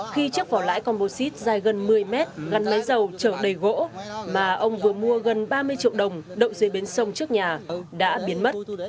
khi chiếc vỏ lãi composite dài gần một mươi mét gắn máy dầu trở đầy gỗ mà ông vừa mua gần ba mươi triệu đồng đậu dưới bến sông trước nhà đã biến mất